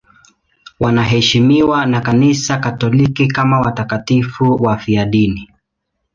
Wanaheshimiwa na Kanisa Katoliki kama watakatifu wafiadini.